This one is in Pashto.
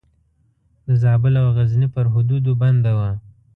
د زابل او غزني پر حدودو بنده وه.